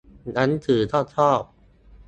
หนังสือก็ชอบ